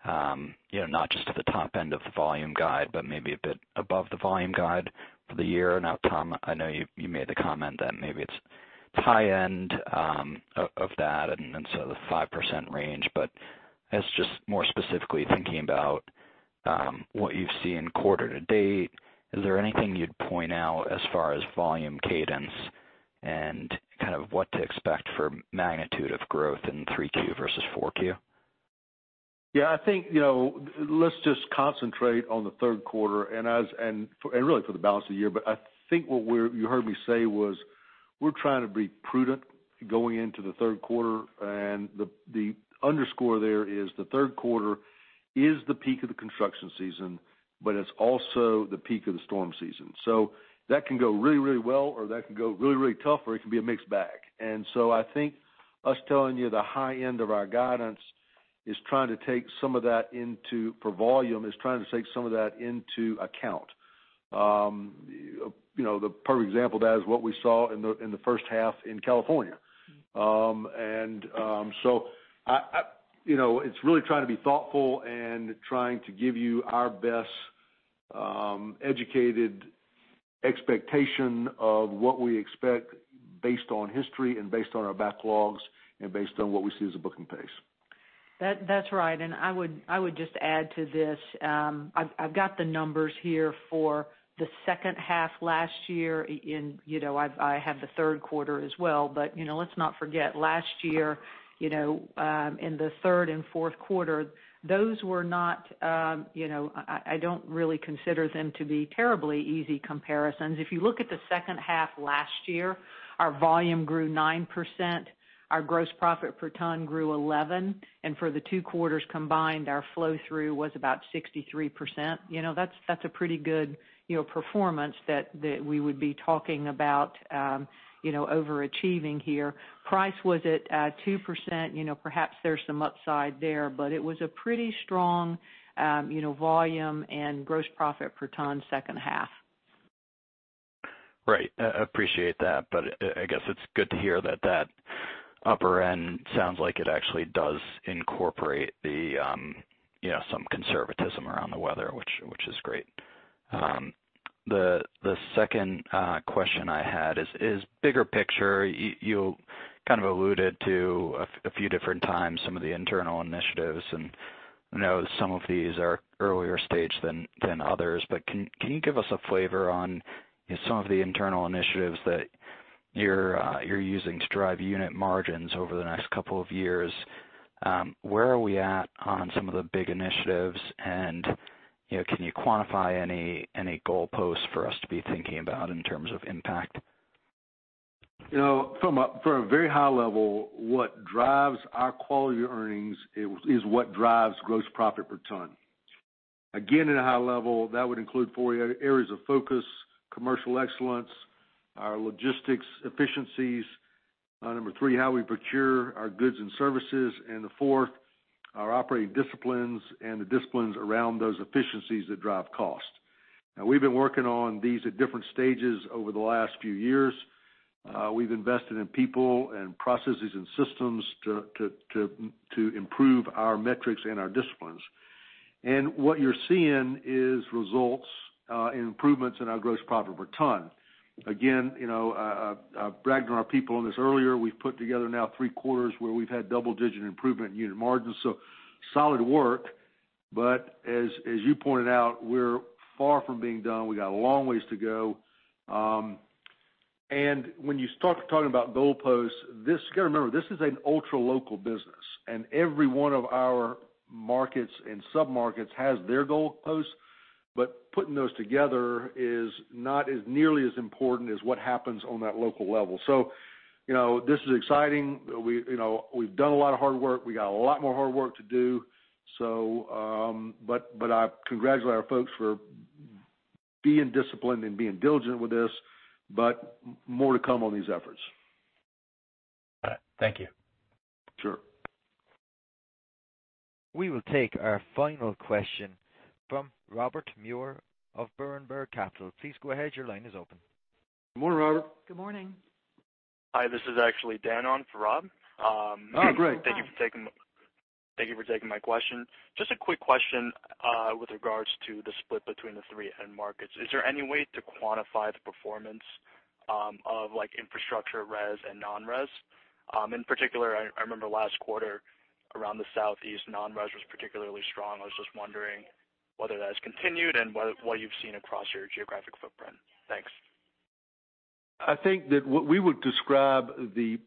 not just to the top end of the volume guide, but maybe a bit above the volume guide for the year. Tom, I know you made the comment that maybe it's high end of that, and so the 5% range. As just more specifically thinking about what you've seen quarter to date, is there anything you'd point out as far as volume cadence and kind of what to expect for magnitude of growth in 3Q versus 4Q? Yeah. Let's just concentrate on the third quarter and really for the balance of the year. I think what you heard me say was we're trying to be prudent going into the third quarter. The underscore there is the third quarter is the peak of the construction season, but it's also the peak of the storm season. That can go really well, or that could go really tough, or it can be a mixed bag. I think us telling you the high end of our guidance is trying to take some of that into, for volume, is trying to take some of that into account. The perfect example of that is what we saw in the first half in California. It's really trying to be thoughtful and trying to give you our best educated expectation of what we expect based on history and based on our backlogs and based on what we see as a booking pace. That's right. I would just add to this. I've got the numbers here for the second half last year, and I have the third quarter as well. Let's not forget, last year, in the third and fourth quarter, I don't really consider them to be terribly easy comparisons. If you look at the second half last year, our volume grew 9%, our gross profit per ton grew 11%. For the two quarters combined, our flow-through was about 63%. That's a pretty good performance that we would be talking about overachieving here. Price was at 2%. Perhaps there's some upside there, but it was a pretty strong volume and gross profit per ton second half. Right. I appreciate that, but I guess it's good to hear that that upper end sounds like it actually does incorporate some conservatism around the weather, which is great. The second question I had is bigger picture. You kind of alluded to, a few different times, some of the internal initiatives, and I know some of these are earlier stage than others, but can you give us a flavor on some of the internal initiatives that you're using to drive unit margins over the next couple of years? Where are we at on some of the big initiatives? Can you quantify any goalposts for us to be thinking about in terms of impact? From a very high level, what drives our quality earnings is what drives gross profit per ton. Again, at a high level, that would include four areas of focus: commercial excellence, our logistics efficiencies, number three, how we procure our goods and services, and the fourth, our operating disciplines and the disciplines around those efficiencies that drive cost. Now, we've been working on these at different stages over the last few years. We've invested in people and processes and systems to improve our metrics and our disciplines. What you're seeing is results in improvements in our gross profit per ton. Again, I bragged on our people on this earlier. We've put together now three quarters where we've had double-digit improvement in unit margins. Solid work. As you pointed out, we're far from being done. We got a long ways to go. When you start talking about goalposts, you've got to remember, this is an ultra-local business, and every one of our markets and sub-markets has their goalposts. Putting those together is not as nearly as important as what happens on that local level. This is exciting. We've done a lot of hard work. We got a lot more hard work to do. I congratulate our folks for being disciplined and being diligent with this. More to come on these efforts. All right. Thank you. Sure. We will take our final question from Robert Muir of Berenberg Capital. Please go ahead. Your line is open. Good morning, Robert. Good morning. Hi, this is actually Dan on for Rob. Oh, great. Thank you for taking my question. Just a quick question with regards to the split between the three end markets. Is there any way to quantify the performance of infrastructure res and non-res? In particular, I remember last quarter around the Southeast, non-res was particularly strong. I was just wondering whether that has continued and what you've seen across your geographic footprint? Thanks. I think that what we would describe the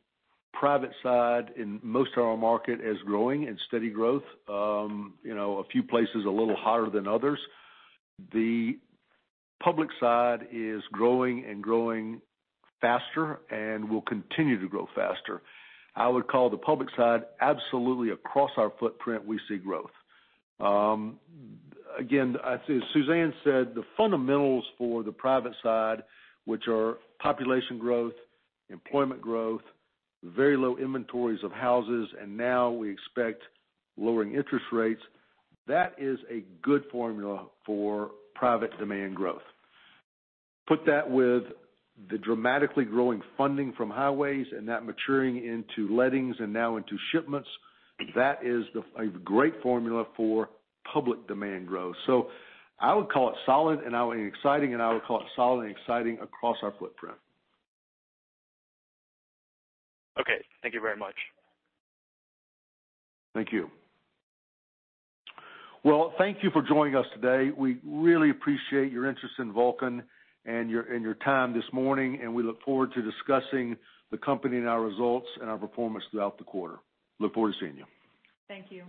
private side in most of our market as growing and steady growth. A few places a little hotter than others. The public side is growing and growing faster and will continue to grow faster. I would call the public side absolutely across our footprint, we see growth. Again, as Suzanne said, the fundamentals for the private side, which are population growth, employment growth, very low inventories of houses, and now we expect lowering interest rates. That is a good formula for private demand growth. Put that with the dramatically growing funding from highways and that maturing into lettings and now into shipments. That is a great formula for public demand growth. I would call it solid and exciting, and I would call it solid and exciting across our footprint. Okay. Thank you very much. Thank you. Well, thank you for joining us today. We really appreciate your interest in Vulcan and your time this morning. We look forward to discussing the company and our results and our performance throughout the quarter. Look forward to seeing you. Thank you.